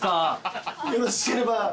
よろしければ。